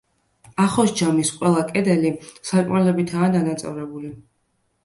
ახოს ჯამის ყველა კედელი სარკმლებითაა დანაწევრებული.